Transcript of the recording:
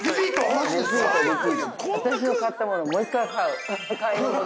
私の買ったもの、もう一回買う。